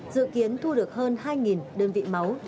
dự kiến thu được hơn hai đơn vị